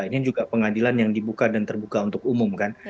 ini juga pengadilan yang dibuka dan terbuka untuk umum kan